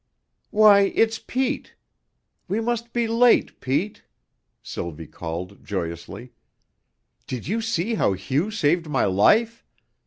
"Why, it's Pete. We must be late, Pete," Sylvie called joyously. "Did you see how Hugh saved my life?